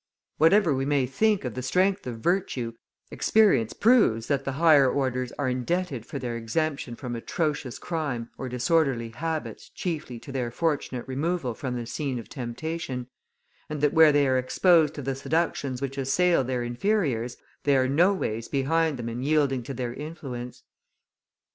Whatever we may think of the strength of virtue, experience proves that the higher orders are indebted for their exemption from atrocious crime or disorderly habits chiefly to their fortunate removal from the scene of temptation; and that where they are exposed to the seductions which assail their inferiors, they are noways behind them in yielding to their influence.